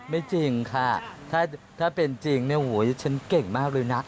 ไม่จริงค่ะถ้าเป็นจริงฉันเก่งมากเลยนะ